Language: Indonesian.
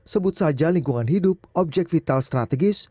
sebut saja lingkungan hidup objek vital strategis